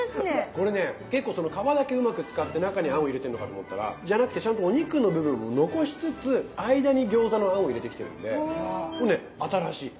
これね結構皮だけうまく使って中に餡を入れてんのかと思ったらじゃなくてちゃんとお肉の部分も残しつつ間に餃子の餡を入れてきてるんでこれね新しい。